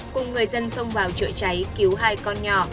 cùng người dân xông vào chữa cháy cứu hai con nhỏ